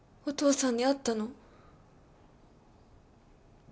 お父さんに会ったの？